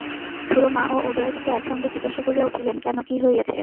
সুরমা ও উদয়াদিত্য একসঙ্গে জিজ্ঞাসা করিয়া উঠিলেন, কেন, কী হইয়াছে?